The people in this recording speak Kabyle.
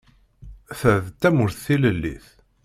Ta d tamurt tilellit.